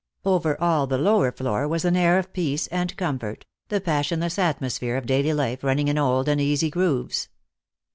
Over all the lower floor was an air of peace and comfort, the passionless atmosphere of daily life running in old and easy grooves.